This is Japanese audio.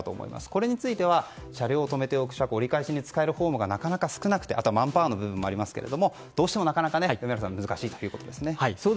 これについては車両を止めておく車庫折り返しに使えるホームがなかなか少なくてあとはマンパワーの部分もありますがどうしても難しいということですね。